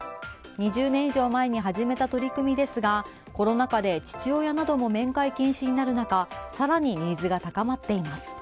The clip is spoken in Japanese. ２０年以上前に始めた取り組みですがコロナ禍で父親なども面会禁止になる中更にニーズが高まっています。